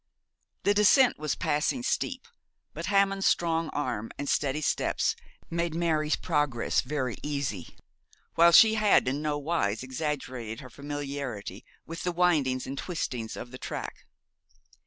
The descent was passing steep, but Hammond's strong arm and steady steps made Mary's progress very easy, while she had in no wise exaggerated her familiarity with the windings and twistings of the track.